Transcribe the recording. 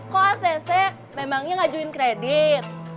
kok acc memangnya ngajuin kredit